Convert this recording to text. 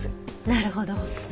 なるほど。